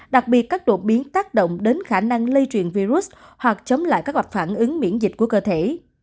đặc biệt các đột biến tác động đến khả năng lây truyền virus hoặc chống lại các gặp phản ứng miễn dịch của cơ thể